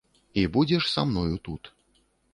І будзеш са мною тут.